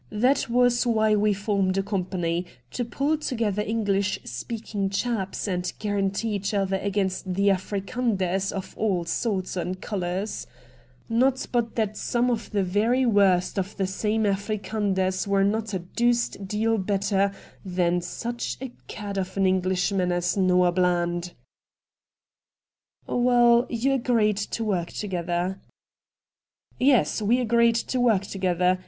That was why we formed a company, to pull together English speaking chaps, and guarantee each other against the Afrikanders of all sorts and colours. Not but that some of the very worst of the same Afrikanders were not a deuced deal AN INTERVIEW WITH MR. RATT GUNDY 237 better than such a cad of an EngUshman as Noah Bland.' ' Well, you agreed to work together.' ' Yes, we airreed to work to^jether.